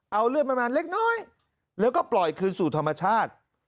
เอาเลือดมันมาเล็กน้อยแล้วก็ปล่อยคืนสู่ธรรมชาติ